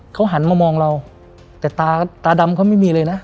เขาหันมามองเราแต่ตาตาดำเขาไม่มีเลยนะ